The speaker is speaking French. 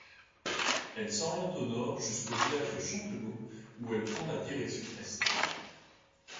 Elle s’oriente au nord jusqu’au village de Chanteloube où elle prend la direction est.